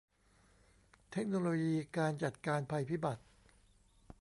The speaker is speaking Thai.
เทคโนโลยีการจัดการภัยพิบัติ